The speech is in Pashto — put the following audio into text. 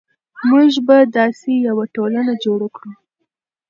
موږ به داسې یوه ټولنه جوړه کړو.